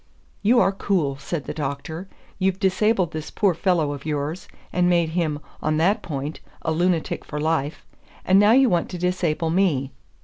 "You are cool," said the Doctor. "You've disabled this poor fellow of yours, and made him on that point a lunatic for life; and now you want to disable me.